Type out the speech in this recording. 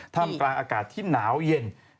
ทำกลางอากาศที่หนาวเย็น